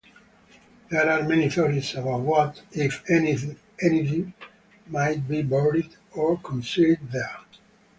There are many theories about what, if anything, might be buried or concealed there.